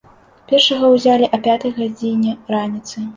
Першага ўзялі а пятай гадзіне раніцы.